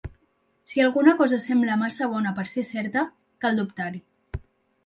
Si alguna cosa sembla massa bona per ser certa, cal dubtar-hi.